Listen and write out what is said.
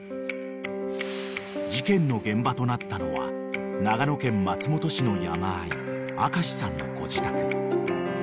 ［事件の現場となったのは長野県松本市の山あい明さんのご自宅］